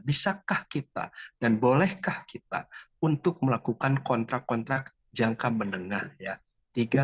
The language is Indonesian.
bisakah kita dan bolehkah kita untuk melakukan kontrak kontrak jangka menengah ya